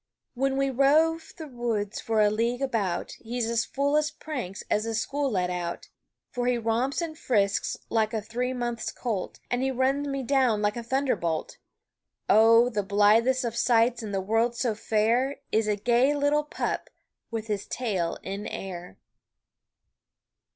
When we rove the woods for a league about He's as full of pranks as a school let out; For he romps and frisks like a three months colt, And he runs me down like a thunder bolt. Oh, the blithest of sights in the world so fair Is a gay little pup with his tail in air!